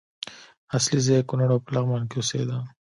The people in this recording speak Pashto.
اصلي ځای یې کونړ او په لغمان کې اوسېده.